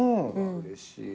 うれしいな。